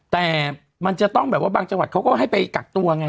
แต่มันจะต้องแบบว่าบางจังหวัดเขาก็ให้ไปกักตัวไง